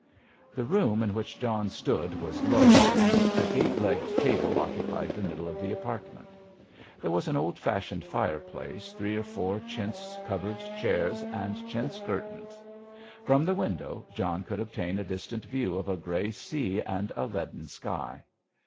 The room in which John stood was low, and a gate legged table occupied the middle of the apartment. There was an old fashioned fireplace, three or four chintz covered chairs, and chintz curtains. From the window John could obtain a distant view of a grey sea and a leaden sky.